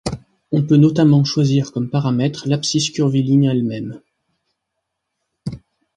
On peut notamment choisir comme paramètre l'abscisse curviligne elle-même.